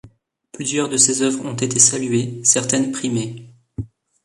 Plusieurs de ses œuvres ont été saluées, certaines primées.